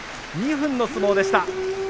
２分の相撲でした。